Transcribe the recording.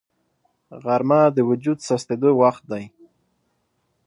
غرمه د وجود سستېدو وخت دی